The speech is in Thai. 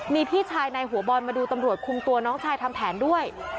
มีพี่ชายในหัวบอลมาดูตำรวจคุมตัวน้องชายทำแผนด้วย